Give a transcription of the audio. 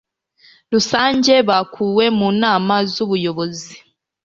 rusange bakuwe mu nama z ubuyobozi